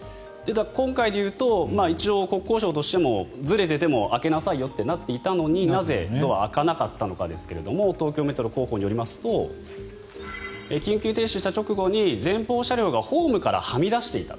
今回でいうと一応、国交省としてもずれていても開けなさいよってなっていたのになぜ、ドアが開かなかったのかということとですが東京メトロ広報によりますと緊急停止した直後に前方車両がホームからはみ出していた。